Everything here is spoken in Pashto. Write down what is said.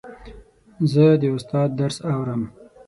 زه د استاد درس اورم.